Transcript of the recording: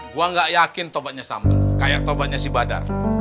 gua gak yakin tobatnya sambal kayak tobatnya si badar